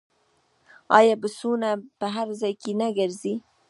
آیا بسونه په هر ځای کې نه ګرځي؟